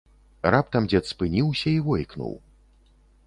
Раптам дзед спыніўся і войкнуў.